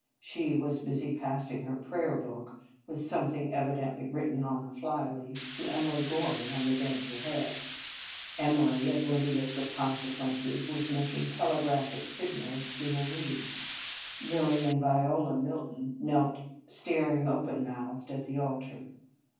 She was busy passing her prayer book, with something evidently written on the fly leaf, to Emily Goring on the bench ahead. Emily, oblivious of con sequences, was making telegraphic signals to Marie. Lilly and Viola Mil ton knelt staring open mouthed at the altar.